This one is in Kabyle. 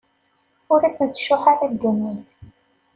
Ur asen-tcuḥḥ ara ddunit.